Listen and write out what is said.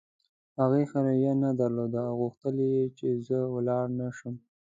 هغې ښه رویه نه درلوده او غوښتل یې چې زه ولاړ نه شم.